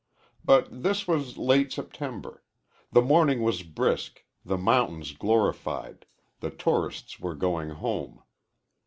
But this was late September. The morning was brisk, the mountains glorified, the tourists were going home.